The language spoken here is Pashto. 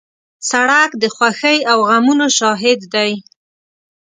سړک د خوښۍ او غمونو شاهد دی.